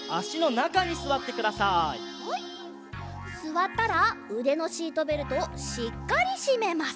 すわったらうでのシートベルトをしっかりしめます。